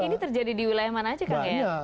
ini terjadi di wilayah mana aja kak